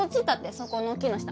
そこの木の下。